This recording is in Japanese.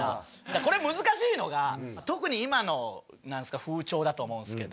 これ難しいのが特に今の風潮だと思うんすけど。